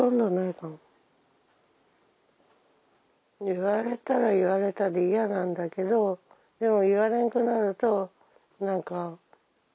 言われたら言われたで嫌なんだけどでも言われんくなると何か。